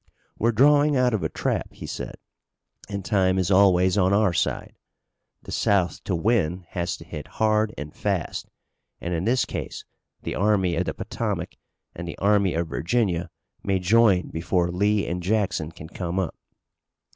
"We're drawing out of a trap," he said, "and time is always on our side. The South to win has to hit hard and fast, and in this case the Army of the Potomac and the Army of Virginia may join before Lee and Jackson can come up."